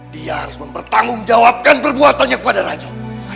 dia harus mempertanggungjawabkan perbuatannya kepada raja